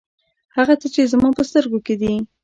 هغه څه چې زما په سترګو کې دي.